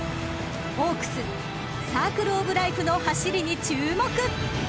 ［オークスサークルオブライフの走りに注目］